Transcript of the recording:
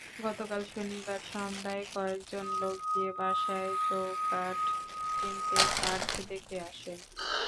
গতকাল শনিবার সন্ধ্যায় কয়েকজন লোক গিয়ে বাসার চৌকাঠ কিনতে কাঠ দেখে আসেন।